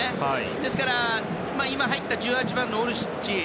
ですから今入った１８番のオルシッチ